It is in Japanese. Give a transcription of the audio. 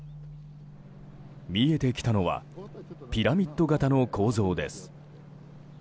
見えてきたのはピラミッド型の構造です。